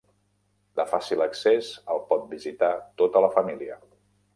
De fàcil accés, el pot visitar tota la família.